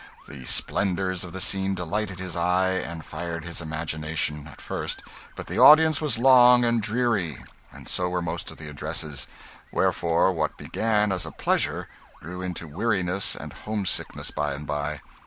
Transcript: The splendours of the scene delighted his eye and fired his imagination at first, but the audience was long and dreary, and so were most of the addresses wherefore, what began as a pleasure grew into weariness and home sickness by and by.